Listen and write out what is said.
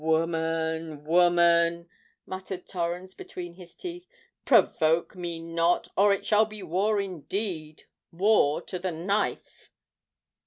Woman—woman," muttered Torrens between his teeth, "provoke me not,—or it shall be war indeed—war to the knife!"